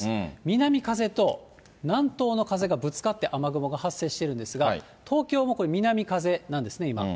南風と南東の風がぶつかって雨雲が発生しているんですが、東京もこれ南風なんですね、今。